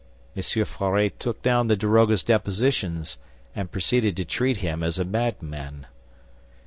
M. Faure took down the daroga's depositions and proceeded to treat him as a madman.